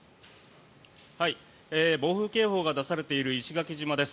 暴風警報が出されている石垣島です。